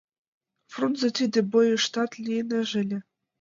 Фрунзе тиде бойыштат лийнеже ыле.